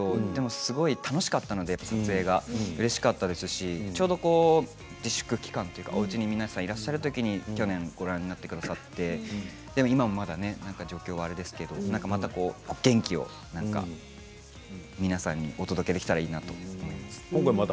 びっくりしましたけどすごい楽しかったので撮影がうれしかったですしちょうど自粛期間というか皆さんおうちにいるときにご覧になってくださってでも今状況はあれですけどまた元気を皆さんにお届けできたらいいなと思っています。